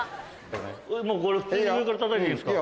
もうこれ普通に上からたたいていいんですか。